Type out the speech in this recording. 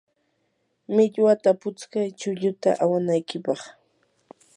millwata putskay chulluta awanapaq.